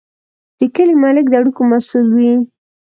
د کلي ملک د اړیکو مسوول وي.